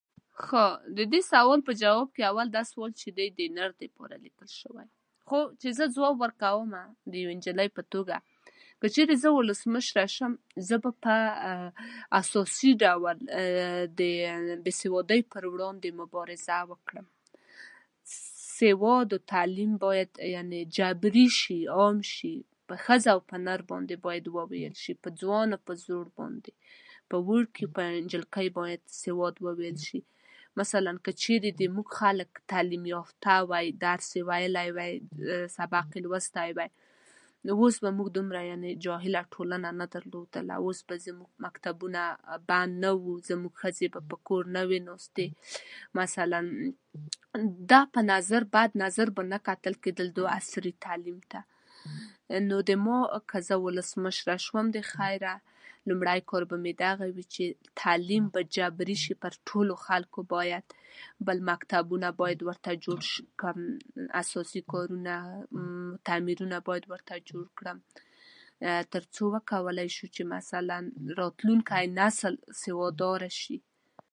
ښه ددې سوال په جواب کې اول داسې وه چي دی د نر لپاره لیکل شوی خو چي زه ځواب ورکومه د يو انجلۍ په توګه که چيرې زه ولسمشره شم زه به په اساسي ډول د نالوستئ پر وړاندې مبارزه وکړم لوست او تعلیم بايد يعنې جبري شي، عام شي په ښځه او په نر باندې بايد وويل شي، په ځوان او په زوړ باندې، په کوچني او په نجونو بايد زده کړې وکړل شي مثلاً که چېرې زموږ خلک تعليم لوستي وای، درس یی ویلی وای سبق يي لوستی وای نو اوس به موږ دومره يعنې جاهله تولنه نه درلودله اوس به زموږ ښوونځي بند نه وو زموږ ښځې به په کور نه وې ناستې مثلاً دا په نظر په بد نظر به نه کتل کيدل دې عصري تعليم ته نو زما، که زه ولسمشره شوم د خيره لمړی کار به مې دغه وي چې تعليم به جبري شي پر ټولو خلکو بايد بل مکتوبونه بايد ورته جوړ شي بل اساسي کارونه تعميرونه بايد ورته جوړ کړم ترڅو وکولاي شو چې مثلاً راتلونکی نسل لوستی شي